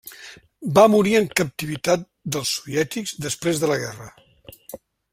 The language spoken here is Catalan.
Va morir en captivitat dels soviètics després de la guerra.